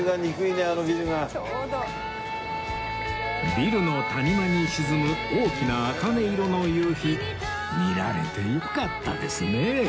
ビルの谷間に沈む大きなあかね色の夕日見られてよかったですねえ